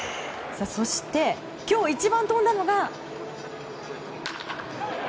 そして今日一番飛んだのが。